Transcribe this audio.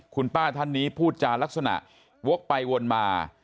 คุณป้าท่านนี้พูดจารักษณะวกไปวนมา